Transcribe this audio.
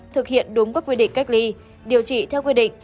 thực hiện đúng các quy định cách ly điều trị theo quy định